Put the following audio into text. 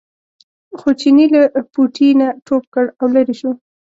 خو چیني له پوټي نه ټوپ کړ او لرې شو.